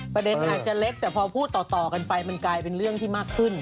ประเด็นอาจจะเล็กแต่พอพูดต่อกันไปมันกลายเป็นเรื่องที่มากขึ้น